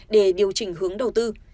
để điều chỉnh hướng đầu tư